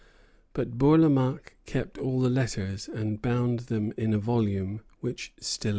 But Bourlamaque kept all the letters, and bound them in a volume, which still exists.